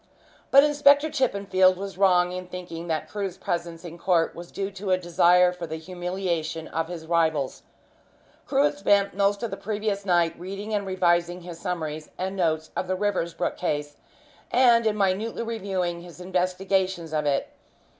But Inspector Chippenfield was wrong in thinking that Crewe's presence in court was due to a desire for the humiliation of his rivals. Crewe had spent most of the previous night reading and revising his summaries and notes of the Riversbrook case, and in minutely reviewing his investigations of it.